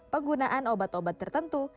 penggunaan obat obat tertentu